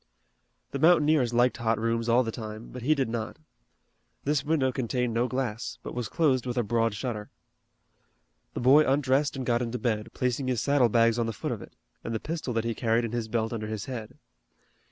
The mountaineers liked hot rooms all the time, but he did not. This window contained no glass, but was closed with a broad shutter. The boy undressed and got into bed, placing his saddle bags on the foot of it, and the pistol that he carried in his belt under his head.